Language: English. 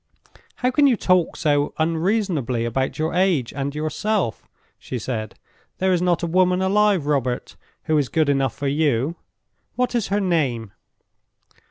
"How can you talk so unreasonably about your age and yourself?" she said. "There is not a woman alive, Robert, who is good enough for you. What is her name?"